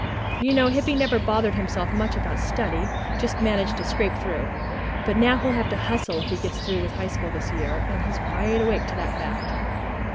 You know Hippy never bothered himself much about study, just managed to scrape through. But now he'll have to hustle if he gets through with High School this year, and he's wide awake to that fact."